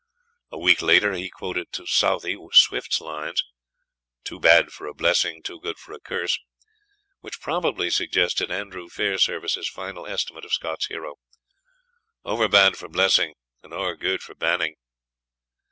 A week later he quoted to Southey, Swift's lines Too bad for a blessing, too good for a curse, which probably suggested Andrew Fairservice's final estimate of Scott's hero, "over bad for blessing, and ower gude for banning."